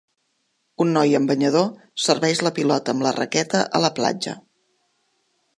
Un noi amb banyador serveix la pilota amb la raqueta a la platja.